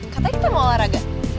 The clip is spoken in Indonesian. katanya kita mau olahraga